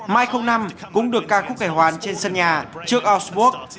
mai năm cũng được ca khúc kẻ hoàn trên sân nhà trước augsburg